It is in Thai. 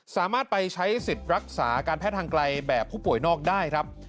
สามารถไปใช้สิทธิ์รักษาการแพทย์ทางไกลแบบผู้ป่วยนอกได้ครับ